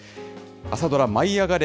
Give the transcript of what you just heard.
朝ドラ、舞いあがれ！